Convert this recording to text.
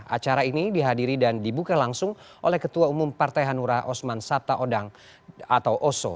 acara ini dihadiri dan dibuka langsung oleh ketua umum partai hanura osman sabta odang atau oso